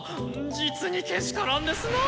実にけしからんですなあ。